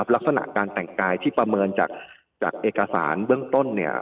ลักษณะการแต่งกายที่ประเมินจากเอกสารเบื้องต้น